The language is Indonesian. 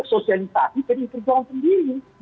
sosialisasi jadi perjuangan sendiri